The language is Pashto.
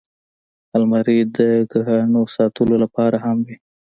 الماري د ګاڼو ساتلو لپاره هم وي